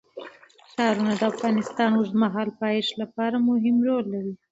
ښارونه د افغانستان د اوږدمهاله پایښت لپاره مهم رول لري.